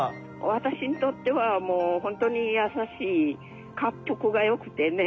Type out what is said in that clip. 私にとってはもう本当に優しいかっぷくがよくてね